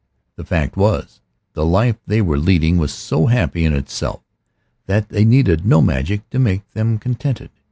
The fact was, the life they were leading was so happy in itself that they needed no magic to make them contented.